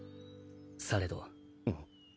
されど。